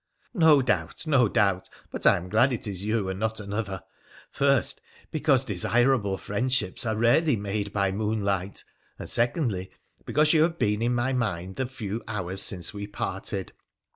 ' No doubt, no doubt ; but I am glad it is you and not another — first, because desirable friendships are rarely made by moonlight ; and secondly, because you have been in my mind the few hours since we parted.'